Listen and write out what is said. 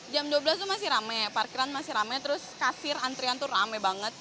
jam dua belas itu masih rame parkiran masih rame terus kasir antrian tuh rame banget